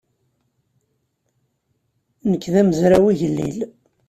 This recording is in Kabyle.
Nekk d amezraw igellil.